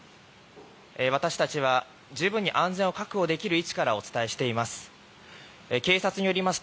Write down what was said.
私たちは十分に安全を確保できる位置からお伝えしています。